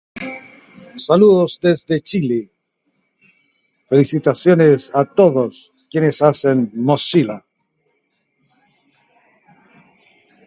De esta última serie se acuñó un número muy reducido de piezas.